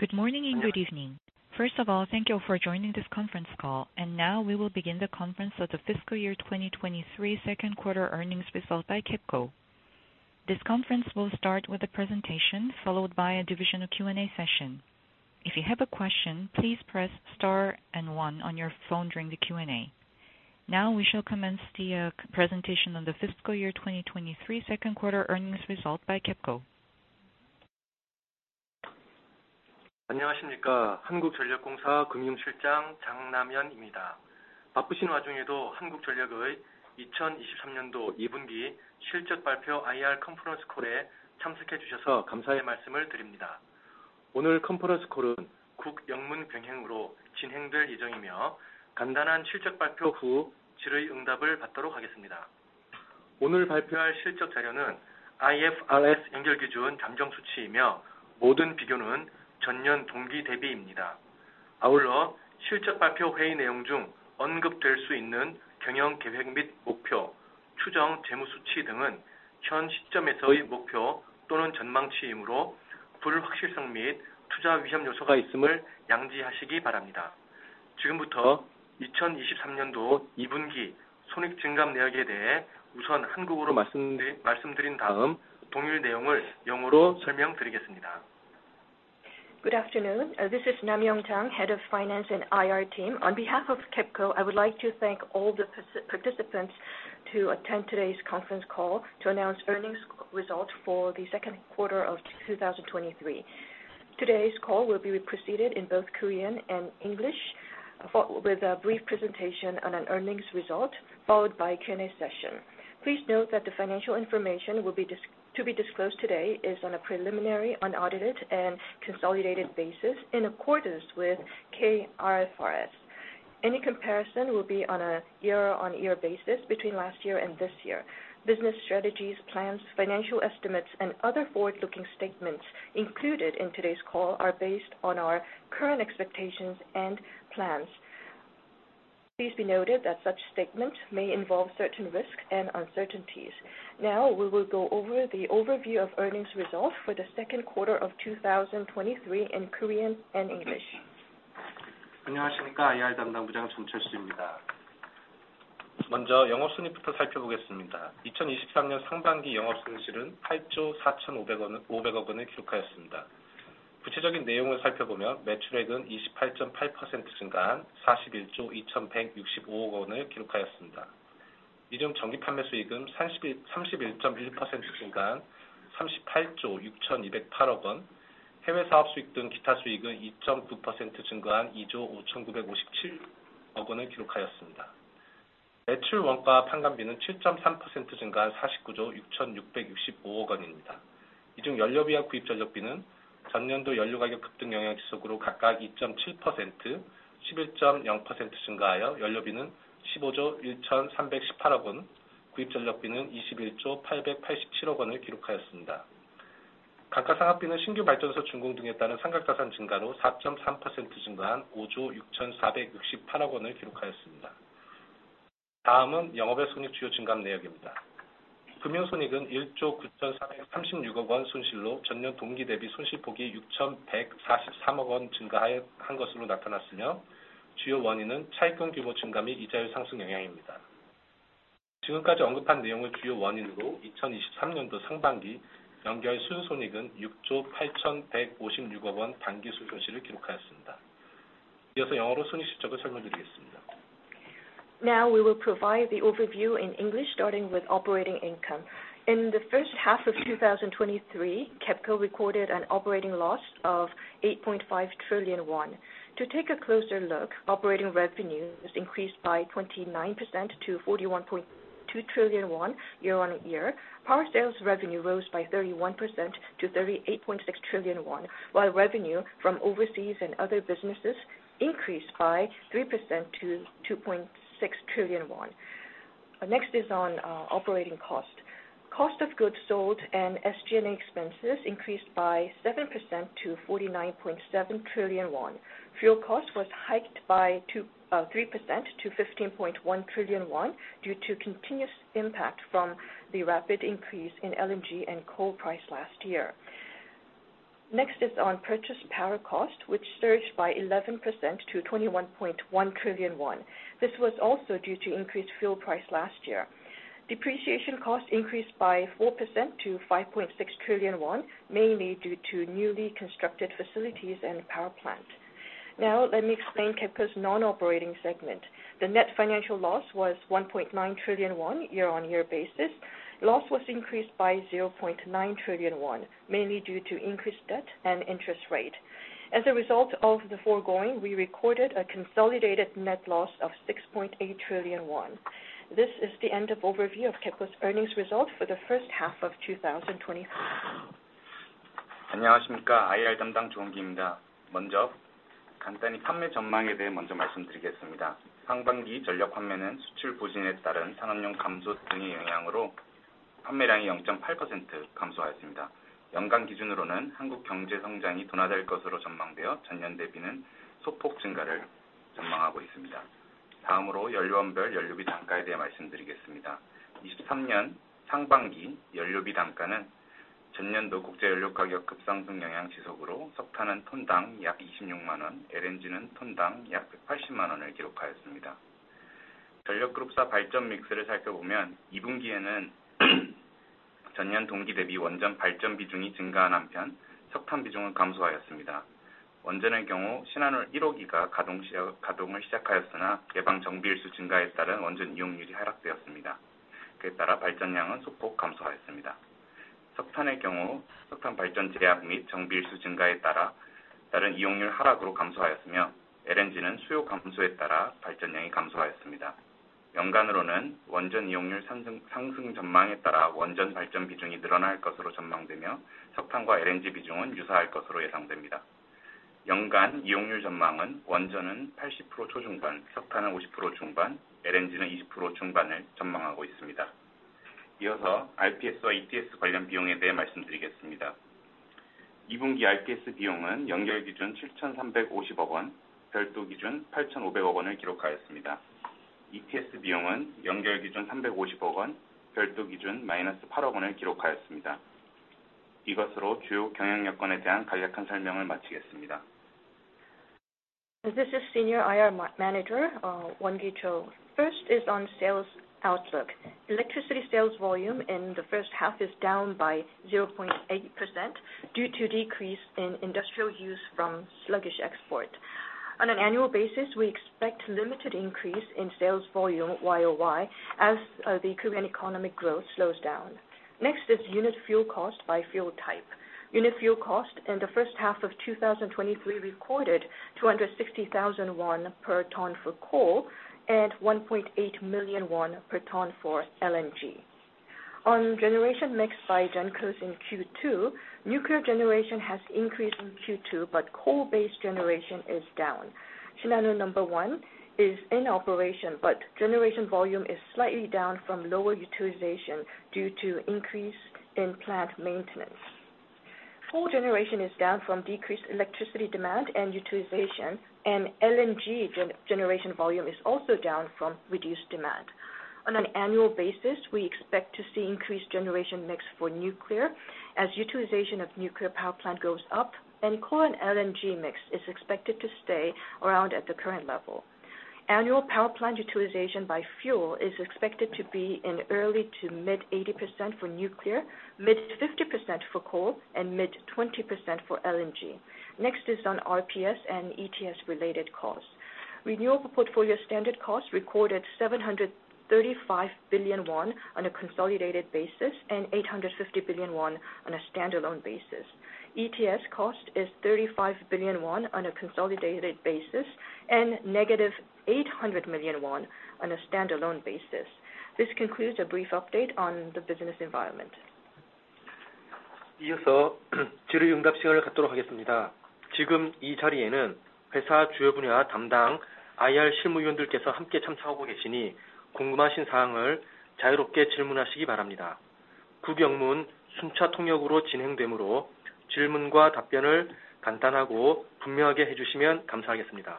Good morning, and good evening. First of all, thank you for joining this conference call, and now we will begin the conference of the fiscal year 23 second quarter earnings result by KEPCO. This conference will start with a presentation, followed by a division of Q&A session. If you have a question, please press star and one on your phone during the Q&A. Now, we shall commence the presentation on the fiscal year 2023 second quarter earnings result by KEPCO. 안녕하십니까? 한국전력공사 금융실장 장남연입니다. 바쁘신 와중에도 한국전력의 2023년도 2Q 실적 발표 IR 컨퍼런스 콜에 참석해 주셔서 감사의 말씀을 드립니다. 오늘 컨퍼런스 콜은 국, 영문 병행으로 진행될 예정이며, 간단한 실적 발표 후 질의 응답을 받도록 하겠습니다. 오늘 발표할 실적 자료는 IFRS 연결기준 잠정수치이며, 모든 비교는 Y-o-Y입니다. 아울러 실적발표 회의 내용 중 언급될 수 있는 경영계획 및 목표, 추정 재무수치 등은 현 시점에서의 목표 또는 전망치이므로 불확실성 및 투자 위험 요소가 있음을 양지하시기 바랍니다. 지금부터 2023년도 2Q 손익증감 내역에 대해 우선 한국어로 말씀드린 다음 동일 내용을 영어로 설명드리겠습니다. Good afternoon. This is Namyeon Jang, Head of Finance and IR Team. On behalf of KEPCO, I would like to thank all the participants to attend today's conference call to announce earnings result for the second quarter of 2023. Today's call will be proceeded in both Korean and English, with a brief presentation on an earnings result, followed by Q&A session. Please note that the financial information will be to be disclosed today is on a preliminary, unaudited, and consolidated basis in accordance with K-IFRS. Any comparison will be on a year-on-year basis between last year and this year. Business strategies, plans, financial estimates, and other forward-looking statements included in today's call are based on our current expectations and plans. Please be noted that such statements may involve certain risks and uncertainties. Now, we will go over the overview of earnings results for the 2nd quarter of 2023 in Korean and English. 안녕하십니까? IR Manager 정철수입니다. 먼저 영업손익부터 살펴보겠습니다. 2023년 상반기 영업손실은 8 trillion 4,500원, 500 billion을 기록하였습니다. 구체적인 내용을 살펴보면, 매출액은 28.8% 증가한 KRW 41 trillion 216.5 billion을 기록하였습니다. 이중 전기 판매 수익은 31.1% 증가한 38 trillion 620.8 billion, 해외 사업 수익 등 기타 수익은 2.9% 증가한 KRW 2 trillion 595.7 billion을 기록하였습니다. 매출 원가 판관비는 7.3% 증가한 49 trillion 666.5 billion입니다. 이중 연료비와 구입전력비는 전년도 연료 가격 급등 영향 지속으로 각각 2.7%, 11.0% 증가하여 연료비는 KRW 15 trillion 131.8 billion, 구입 전력비는 KRW 21 trillion 88.7 billion을 기록하였습니다. 감가상각비는 신규 발전소 준공 등에 따른 상각자산 증가로 4.3% 증가한 5 trillion 646.8 billion을 기록하였습니다. 다음은 영업외 손익 주요 증감 내역입니다. 금융손익은 1 trillion 933.6 billion 손실로 전년 동기 대비 손실폭이 614.3 billion 증가하여 한 것으로 나타났으며, 주요 원인은 차입금 규모 증가 및 이자율 상승 영향입니다. 지금까지 언급한 내용을 주요 원인으로 2023년 상반기 연결 순손익은 6 trillion 815.6 billion 단기 순손실을 기록하였습니다. 이어서 영어로 손익 실적을 설명드리겠습니다. Now, we will provide the overview in English, starting with operating income. In the first half of 2023, KEPCO recorded an operating loss of 8.5 trillion won. To take a closer look, operating revenue was increased by 29% to 41.2 trillion won, year-on-year. Power sales revenue rose by 31% to 38.6 trillion won, while revenue from overseas and other businesses increased by 3% to 2.6 trillion won. Next is on operating cost. Cost of goods sold and SG&A expenses increased by 7% to 49.7 trillion won. Fuel cost was hiked by 3% to 15.1 trillion won, due to continuous impact from the rapid increase in LNG and coal price last year. Next is on purchase power cost, which surged by 11% to 21.1 trillion won. This was also due to increased fuel price last year. Depreciation cost increased by 4% to 5.6 trillion won, mainly due to newly constructed facilities and power plant. Let me explain KEPCO's non-operating segment. The net financial loss was 1.9 trillion won, year-on-year basis. Loss was increased by 0.9 trillion won, mainly due to increased debt and interest rate. As a result of the foregoing, we recorded a consolidated net loss of 6.8 trillion won. This is the end of overview of KEPCO's earnings results for the first half of 2023. 안녕하십니까? IR 담당 조원기입니다. 먼저 간단히 판매 전망에 대해 먼저 말씀드리겠습니다. 상반기 전력 판매는 수출 부진에 따른 산업용 감소 등의 영향으로 판매량이 0.8% 감소하였습니다. 연간 기준으로는 한국 경제 성장이 둔화될 것으로 전망되어, 전년 대비는 소폭 증가를. 연료원별 연료비 단가에 대해 말씀드리겠습니다. 2023년 상반기 연료비 단가는 전년도 국제 연료 가격 급상승 영향 지속으로 석탄은 톤당 약 260,000, LNG는 톤당 약 KRW 1,800,000을 기록하였습니다. 전력 그룹사 발전 믹스를 살펴보면 2분기에는 전년 동기 대비 원전 발전 비중이 증가한 한편, 석탄 비중은 감소하였습니다. 원전의 경우 Shin Hanul 1이 가동을 시작하였으나 예방 정비일수 증가에 따른 원전 이용률이 하락되었습니다. 발전량은 소폭 감소하였습니다. 석탄의 경우 석탄 발전 제약 및 정비일수 증가에 따른 이용률 하락으로 감소하였으며, LNG는 수요 감소에 따라 발전량이 감소하였습니다. 연간으로는 원전 이용률 상승 전망에 따라 원전 발전 비중이 늘어날 것으로 전망되며, 석탄과 LNG 비중은 유사할 것으로 예상됩니다. 연간 이용률 전망은 원전은 80% 초중반, 석탄은 50% 중반, LNG는 20% 중반을 전망하고 있습니다. RPS와 ETS 관련 비용에 대해 말씀드리겠습니다. 2분기 RPS 비용은 연결 기준 KRW 7,350억원, 별도 기준 KRW 8,500억원을 기록하였습니다. ETS 비용은 연결 기준 KRW 350억원, 별도 기준 KRW -8억원을 기록하였습니다. 이것으로 주요 경영 여건에 대한 간략한 설명을 마치겠습니다. This is Senior IR Manager, Wongi Cho. First is on sales outlook. Electricity sales volume in the first half is down by 0.8% due to decrease in industrial use from sluggish export. On an annual basis, we expect limited increase in sales volume year-over-year, as the Korean economic growth slows down. Next is unit fuel cost by fuel type. Unit fuel cost in the first half of 2023 recorded 260,000 won per ton for coal, and 1.8 million won per ton for LNG. On generation mix by gencos in Q2, nuclear generation has increased in Q2, but coal-based generation is down. Shin Hanul 1 is in operation, but generation volume is slightly down from lower utilization due to increase in plant maintenance. Coal generation is down from decreased electricity demand and utilization, and LNG generation volume is also down from reduced demand. On an annual basis, we expect to see increased generation mix for nuclear as utilization of nuclear power plant goes up, and coal and LNG mix is expected to stay around at the current level. Annual power plant utilization by fuel is expected to be in early to mid 80% for nuclear, mid 50% for coal, and mid 20% for LNG. Next is on RPS and ETS related costs. Renewable Portfolio Standard costs recorded 735 billion won on a consolidated basis and 850 billion won on a standalone basis. ETS cost is 35 billion won on a consolidated basis and negative 800 million won on a standalone basis. This concludes a brief update on the business environment. 이어서 질의응답 시간을 갖도록 하겠습니다. 지금 이 자리에는 회사 주요 분야 담당 IR 실무위원들께서 함께 참석하고 계시니, 궁금하신 사항을 자유롭게 질문하시기 바랍니다. 영문 순차 통역으로 진행되므로 질문과 답변을 간단하고 분명하게 해주시면 감사하겠습니다.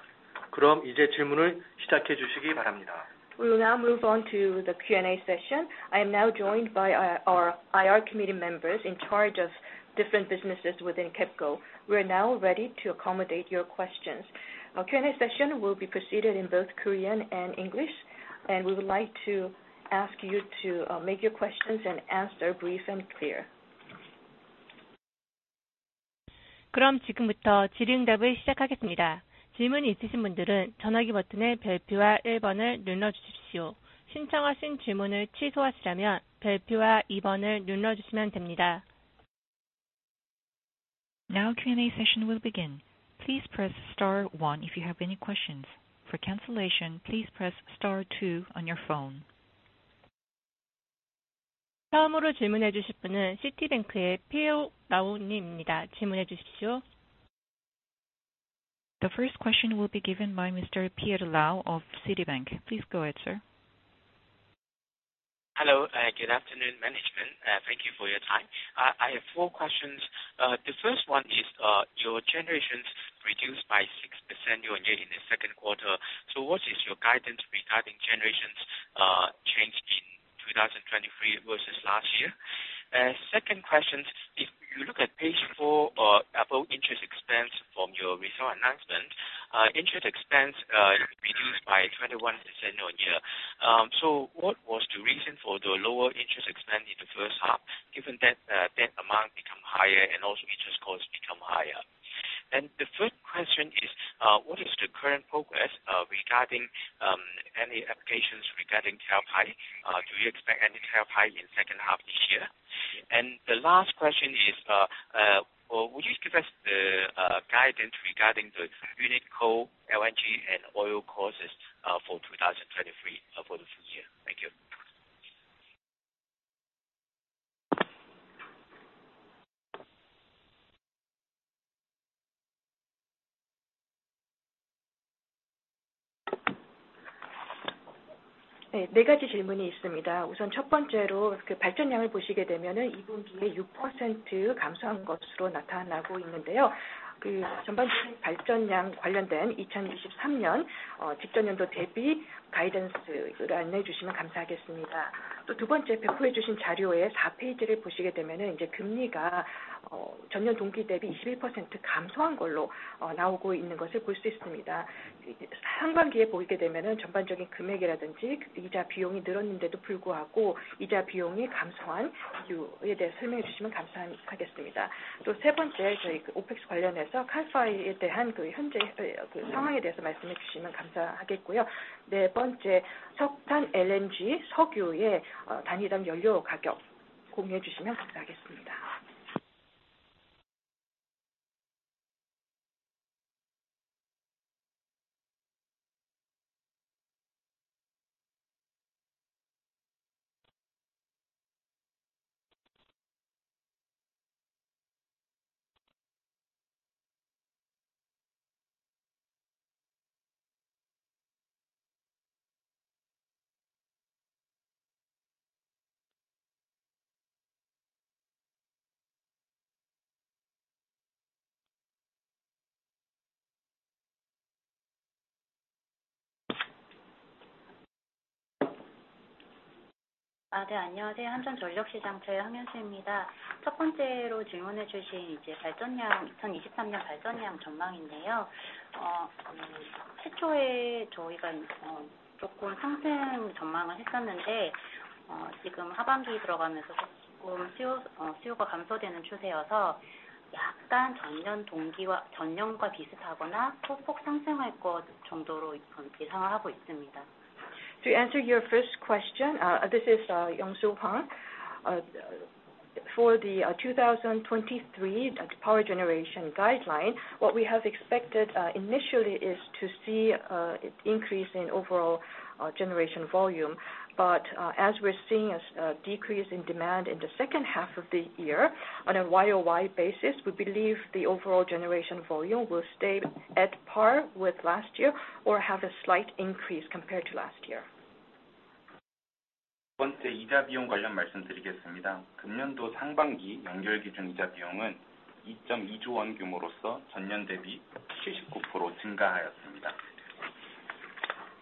이제 질문을 시작해 주시기 바랍니다. We will now move on to the Q&A session. I am now joined by our IR committee members in charge of different businesses within KEPCO. We are now ready to accommodate your questions. Our Q&A session will be proceeded in both Korean and English. We would like to ask you to make your questions and answer brief and clear. 지금부터 질의응답을 시작하겠습니다. 질문이 있으신 분들은 전화기 버튼의 별표와 1을 눌러주십시오. 신청하신 질문을 취소하시려면 별표와 2를 눌러주시면 됩니다. Now Q&A session will begin. Please press star one if you have any questions. For cancellation, please press star two on your phone. 다음으로 질문해 주실 분은 Citibank의 피어 라우님입니다. 질문해 주십시오. The first question will be given by Mr. Pierre Lau of Citi. Please go ahead, sir. Hello, good afternoon, management. Thank you for your time. I have four questions. The first one is, your generations reduced by 6% year-on-year in Q2. What is your guidance regarding generations, change in 2023 versus last year? Second question, if you look at page 4, about interest expense from your recent announcement, interest expense reduced by 21% year-on-year. What was the reason for the lower interest expense in the first half, given that amount become higher and also interest costs become higher? The third question is, what is the current progress regarding any applications regarding tariff hike? Do you expect any tariff hike in second half this year? The last question is, well, would you give us the guidance regarding the unit coal, LNG and oil costs for 2023 for the full year? Thank you. 네, 4가지 질문이 있습니다. 첫 번째로 그 발전량을 보시게 되면은 Q2에 6% 감소한 것으로 나타나고 있는데요. 전반적인 발전량 관련된 2023년 직전년도 대비 가이던스를 안내해 주시면 감사하겠습니다. 두 번째, 배포해 주신 자료의 4 페이지를 보시게 되면은 금리가 전년 동기 대비 21% 감소한 걸로 나오고 있는 것을 볼수 있습니다. 상반기에 보게 되면은 전반적인 금액이라든지, 이자 비용이 늘었는데도 불구하고 이자 비용이 감소한 이유에 대해 설명해 주시면 감사하겠습니다. 세 번째, 저희 OPEX 관련해서 Capex에 대한 현재 상황에 대해서 말씀해 주시면 감사하겠고요. 네 번째, 석탄, LNG, 석유의 단위당 연료 가격 공유해 주시면 감사하겠습니다. 네, 안녕하세요. 한전전력시장 저희 Yong Soo Hwang입니다. 1st로 질문해 주신 이제 발전량, 2023년 발전량 전망인데요. 최초에 저희가 조금 상승 전망을 했었는데, 지금 하반기 들어가면서 조금 수요가 감소되는 추세여서 약간 전년 동기와, 전년과 비슷하거나 소폭 상승할 것 정도로 예상하고 있습니다. To answer your first question, this is Yong Soo Hwang. For the 2023 power generation guideline, what we have expected initially is to see an increase in overall generation volume. As we're seeing a decrease in demand in the second half of the year on a Y-o-Y basis, we believe the overall generation volume will stay at par with last year or have a slight increase compared to last year. 두 번째, 이자 비용 관련 말씀드리겠습니다. 금년도 상반기 연결 기준 이자 비용은 이점이조 원 규모로서 전년 대비 칠십구 프로 증가하였습니다.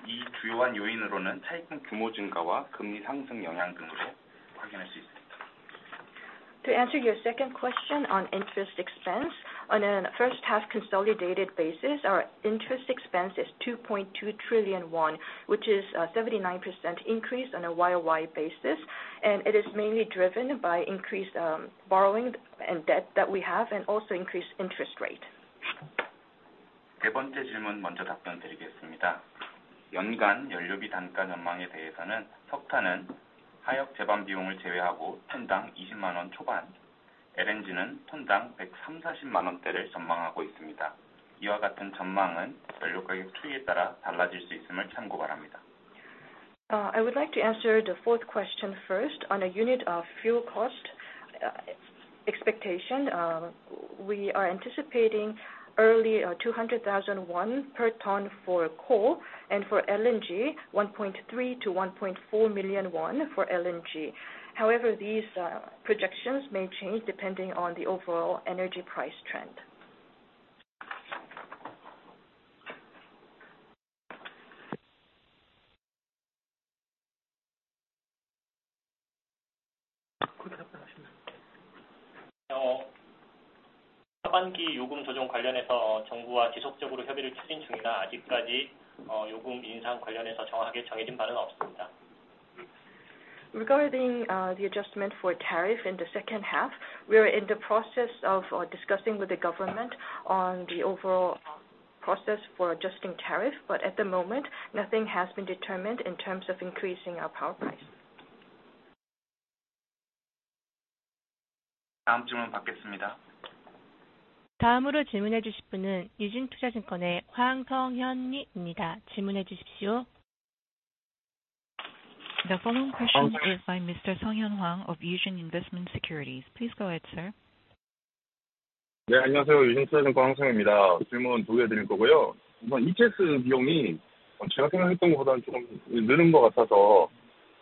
이 주요한 요인으로는 차입금 규모 증가와 금리 상승 영향 등으로 확인할 수 있습니다. To answer your second question on interest expense. On a first half consolidated basis, our interest expense is 2.2 trillion won, which is a 79% increase on a Y-o-Y basis. It is mainly driven by increased borrowing and debt that we have and also increased interest rate. 세 번째 질문 먼저 답변드리겠습니다. 연간 연료비 단가 전망에 대해서는 석탄은 하역 제반 비용을 제외하고 톤당 KRW 200,000 early, LNG는 톤당 KRW 1.3 million-KRW 1.4 million range를 전망하고 있습니다. 이와 같은 전망은 연료 가격 추이에 따라 달라질 수 있음을 참고 바랍니다. I would like to answer the fourth question first. On a unit of fuel cost expectation, we are anticipating early 200,000 won per ton for coal and for LNG, 1.3 million-1.4 million won for LNG. However, these projections may change depending on the overall energy price trend. 그 답변 하시면. 하반기 요금 조정 관련해서 정부와 지속적으로 협의를 추진 중이라, 아직까지 요금 인상 관련해서 정확하게 정해진 바는 없습니다. Regarding, the adjustment for tariff in the second half, we are in the process of discussing with the government on the overall process for adjusting tariff, but at the moment, nothing has been determined in terms of increasing our power price. 다음 질문 받겠습니다. 다음으로 질문해 주실 분은 유진투자증권의 황성현님입니다. 질문해 주십시오. The following question is by Mr. Sung Hyun Hwang of Eugene Investment & Securities. Please go ahead, sir. 네, 안녕하세요, 유진투자증권 황성현입니다. 질문 두개 드릴 거고요. 이번 ETS 비용이 어, 제가 생각했던 것보다 조금 느는 것 같아서,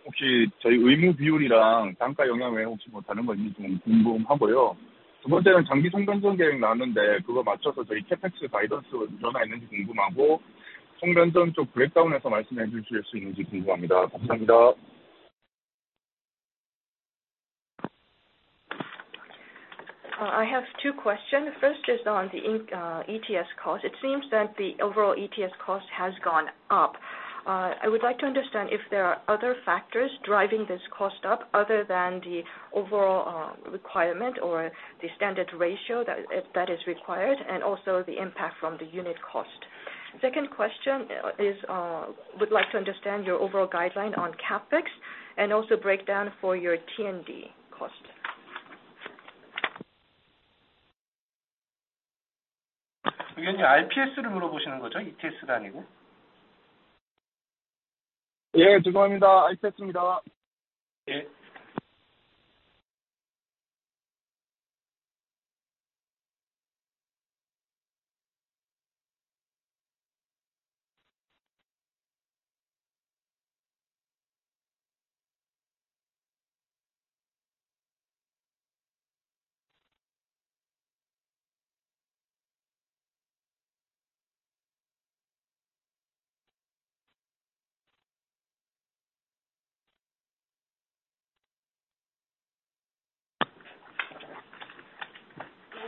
혹시 저희 의무 비율이랑 단가 영향 외에 혹시 뭐 다른 거 있는지 좀 궁금하고요. 두 번째는 장기 송변전 계획 나왔는데, 그거 맞춰서 저희 Capex 가이던스 변화 있는지 궁금하고, 송변전 쪽 브레이크다운해서 말씀해 주실 수 있는지 궁금합니다. 감사합니다. I have two questions. First is on the ETS cost. It seems that the overall ETS cost has gone up. I would like to understand if there are other factors driving this cost up other than the overall requirement or the standard ratio that is required, and also the impact from the unit cost. Second question is, would like to understand your overall guideline on Capex and also breakdown for your T&D cost. 의원님, RPS를 물어보시는 거죠? ETS가 아니고. 예, 죄송합니다.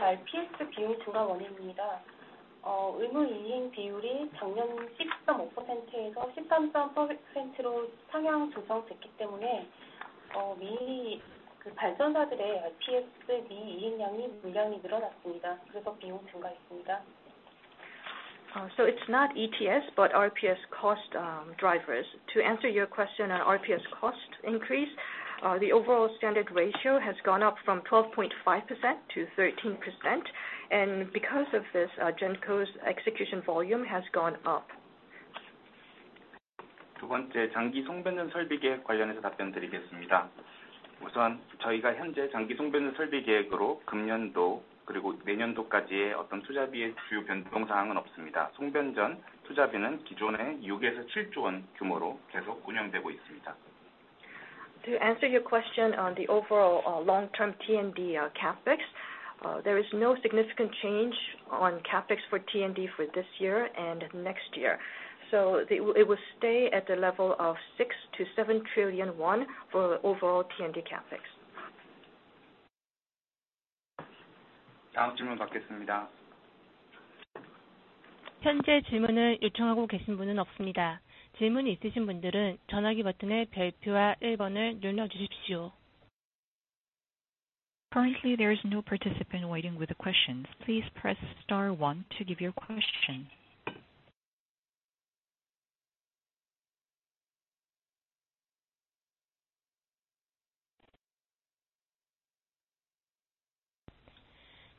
RPS입니다. 예. RPS 비용 증가 원인입니다. 의무 이행 비율이 작년 13.5%에서 13.%로 상향 조정됐기 때문에, 그 발전사들의 RPS 미이행량이 물량이 늘어났습니다. 비용 증가했습니다. It's not ETS, but RPS cost drivers. To answer your question on RPS cost increase, the overall standard ratio has gone up from 12.5%-13%, because of this, Genco's execution volume has gone up. 두 번째, 장기 송변전 설비 계획 관련해서 답변드리겠습니다. 우선 저희가 현재 장기 송변전 설비 계획으로 금년도 그리고 내년도까지의 어떤 투자비의 주요 변동 사항은 없습니다. 송변전 투자비는 기존의 6 trillion-7 trillion 규모로 계속 운영되고 있습니다. To answer your question on the overall, long term T&D, CapEx, there is no significant change on CapEx for T&D for this year and next year. It will stay at the level of 6 trillion-7 trillion won for the overall T&D CapEx. 다음 질문 받겠습니다. 현재 질문을 요청하고 계신 분은 없습니다. 질문이 있으신 분들은 전화기 버튼의 별표와 1번을 눌러주십시오. Currently, there is no participant waiting with the questions. Please press star one to give your question.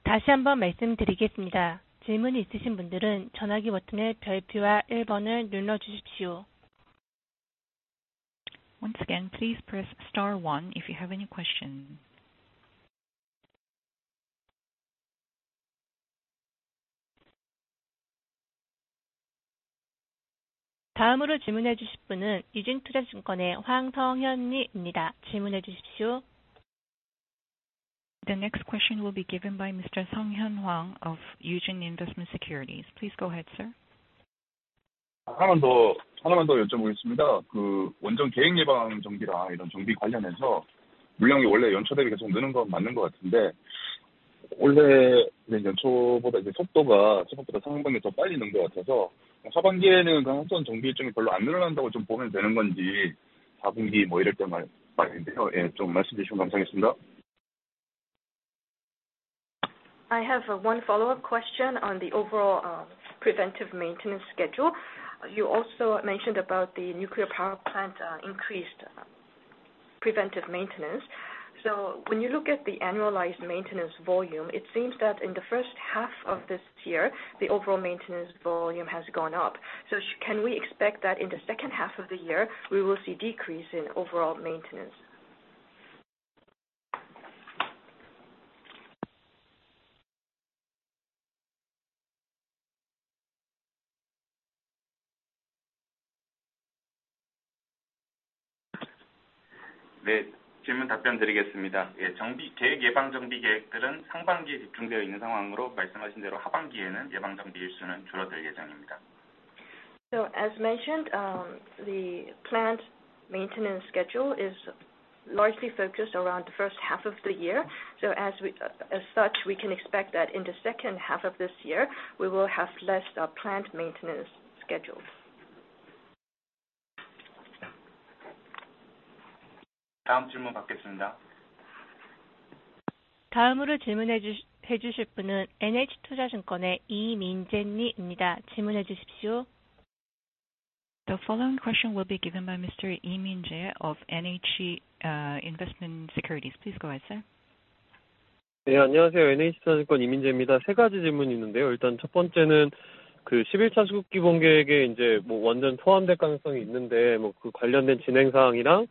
다시 한번 말씀드리겠습니다. 질문이 있으신 분들은 전화기 버튼의 별표와 1을 눌러주십시오. Once again, please press star one if you have any questions. 다음으로 질문해 주실 분은 유진투자증권의 황성현이입니다. 질문해 주십시오. The next question will be given by Mr. Sung Hyun Hwang of Eugene Investment & Securities. Please go ahead, sir. 하나만 더, 하나만 더 여쭤보겠습니다. 그 원전 계획 예방 정비랑 이런 정비 관련해서 물량이 원래 연초 되니까 좀 느는 건 맞는 것 같은데, 올해 연초보다 이제 속도가 생각보다 상반기에 더 빨리 는것 같아서 하반기에는 그냥 어떤 정비 일정이 별로 안 늘어난다고 좀 보면 되는 건지, Q4 뭐 이럴 때 말인데요. 예, 좀 말씀해 주시면 감사하겠습니다. I have one follow-up question on the overall preventive maintenance schedule. You also mentioned about the nuclear power plant increased preventive maintenance. When you look at the annualized maintenance volume, it seems that in the first half of this year, the overall maintenance volume has gone up. Can we expect that in the second half of the year, we will see decrease in overall maintenance? 네, 질문 답변드리겠습니다. 예, 정비, 계획 예방 정비 계획들은 상반기에 집중되어 있는 상황으로 말씀하신 대로 하반기에는 예방 정비 일수는 줄어들 예정입니다. As mentioned, the plant maintenance schedule is largely focused around the first half of the year. As we, as such, we can expect that in the second half of this year, we will have less, plant maintenance scheduled. 다음 질문 받겠습니다. 다음으로 질문해 해주실 분은 NH투자증권의 이민재님입니다. 질문해 주십시오. The following question will be given by Mr. Lee Min-jae of NH Investment & Securities. Please go ahead, sir. 안녕하세요. NH Investment & Securities Imin Je입니다. 세 가지 질문이 있는데요. 첫 번째는 11차 수급계획에 이제 원전 포함될 가능성이 있는데, 그 관련된 진행 사항이랑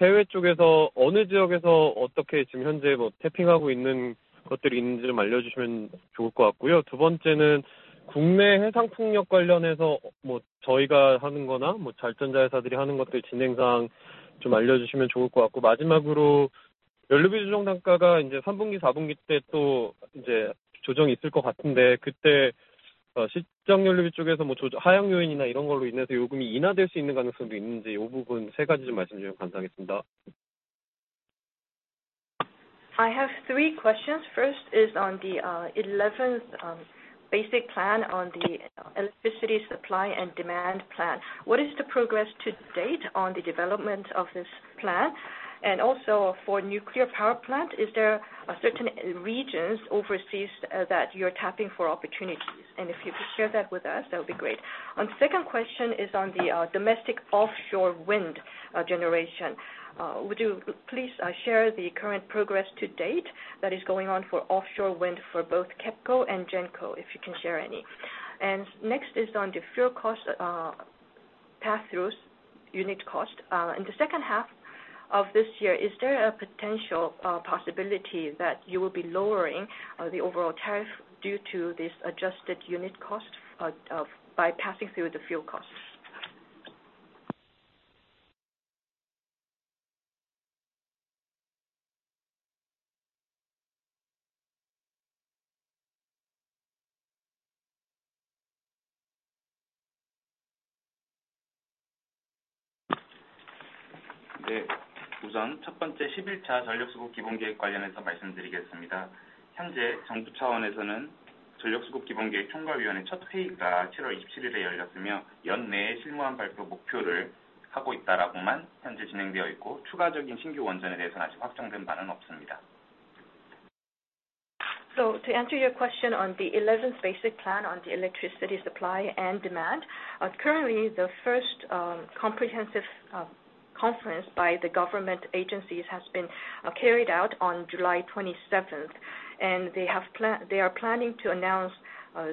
해외 쪽에서 어느 지역에서 어떻게 지금 현재 태핑하고 있는 것들이 있는지 좀 알려주시면 좋을 것 같고요. 두 번째는 국내 해상풍력 관련해서, 저희가 하는 거나, 발전자 회사들이 하는 것들 진행 사항 좀 알려주시면 좋을 것 같고, 마지막으로 연료비 조정 단가가 이제 3분기, 4분기 때또 이제 조정이 있을 것 같은데, 그때 시정 연료비 쪽에서 하향 요인이나 이런 걸로 인해서 요금이 인하될 수 있는 가능성도 있는지, 이 부분 세 가지 좀 말씀해 주시면 감사하겠습니다. I have three questions. First is on the 11th basic plan on the electricity supply and demand plan. What is the progress to date on the development of this plan? Also for nuclear power plant, is there a certain regions overseas that you're tapping for opportunities? If you could share that with us, that would be great. On second question is on the domestic offshore wind generation. Would you please share the current progress to date that is going on for offshore wind for both KEPCO and Genco, if you can share any? Next is on the fuel cost pass-throughs unit cost. In the second half of this year, is there a potential possibility that you will be lowering the overall tariff due to this adjusted unit cost of, by passing through the fuel costs? To answer your question on the 11th basic plan on the electricity supply and demand. Currently, the first comprehensive conference by the government agencies has been carried out on July 27th, and they are planning to announce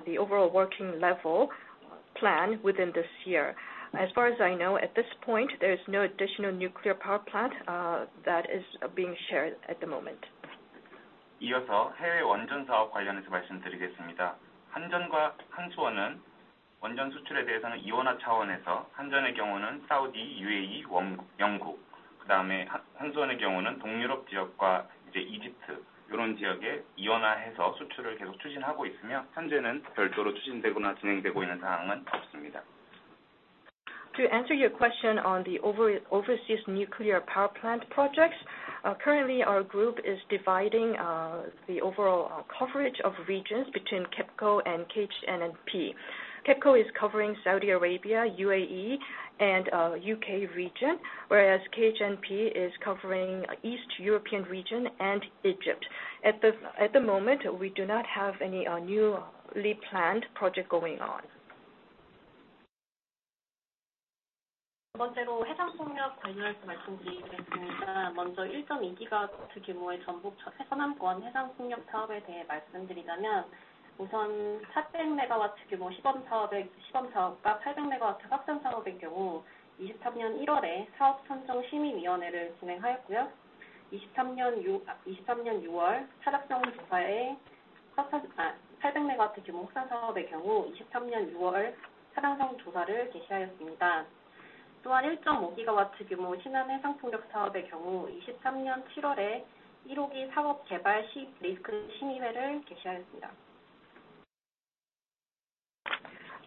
the overall working level plan within this year. As far as I know, at this point, there is no additional nuclear power plant that is being shared at the moment. To answer your question on overseas nuclear power plant projects, currently our group is dividing the overall coverage of regions between KEPCO and KHNP. KEPCO is covering Saudi Arabia, UAE, and UK region, whereas KHNP is covering East European region and Egypt. At the moment, we do not have any newly planned project going on.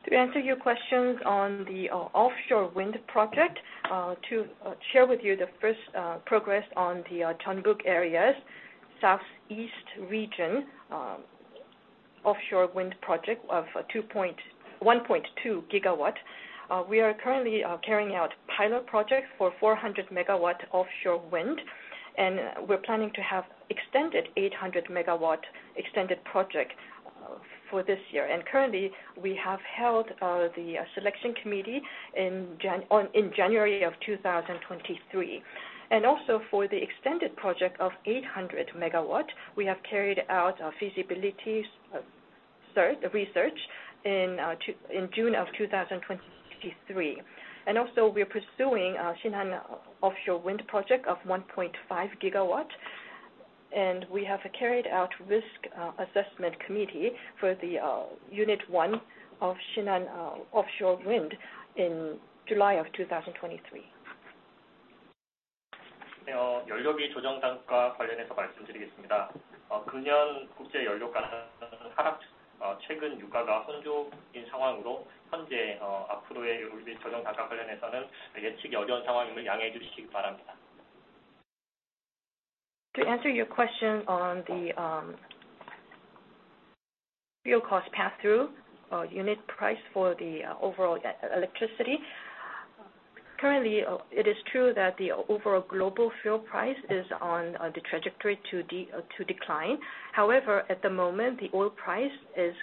To answer your questions on the offshore wind project, to share with you the first progress on the Jeonbuk areas, Southeast region, offshore wind project of 1.2 GW. We are currently carrying out pilot projects for 400 MW offshore wind, and we're planning to have extended 800 MW extended project for this year. Currently, we have held the selection committee in January of 2023. Also for the extended project of 800 MW, we have carried out our feasibilities, sorry, the research in June of 2023. Also we are pursuing our Shinan offshore wind project of 1.5 GW, and we have carried out risk assessment committee for the unit one of Shinan offshore wind in July of 2023. To answer your question on the fuel cost passthrough unit price for the overall electricity. Currently, it is true that the overall global fuel price is on, on the trajectory to decline. However, at the moment, the oil price is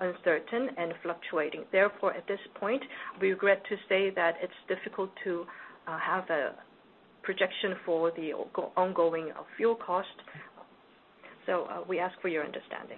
uncertain and fluctuating. Therefore, at this point, we regret to say that it's difficult to have a projection for the ongoing fuel cost, so we ask for your understanding.